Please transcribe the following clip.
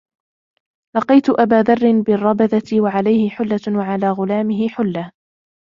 لَقِيتُ أَبَا ذَرٍّ بِالرَّبَذَةِ وَعَلَيْهِ حُلَّةٌ وَعَلَى غُلَامِهِ حُلَّةٌ.